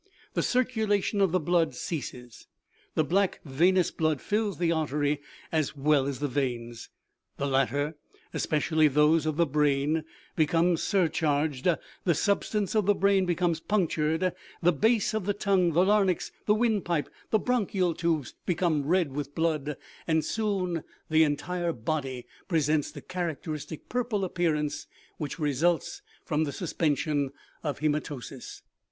The circulation of the blood ceases. The black venous blood fills the arteries as well as the veins. The latter, especially those of the brain, become surcharged, the sub stance of the brain becomes punctured, the base of the tongue, the larynx, the wind pipe, the bronchial tubes 52 OMEGA. become red with blood, and soon the entire body pre sents the characteristic purple appearance which results from the suspension of hematosis.